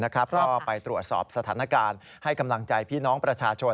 ก็ไปตรวจสอบสถานการณ์ให้กำลังใจพี่น้องประชาชน